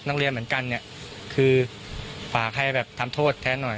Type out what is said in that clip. เรียนเหมือนกันเนี่ยคือฝากให้แบบทำโทษแทนหน่อย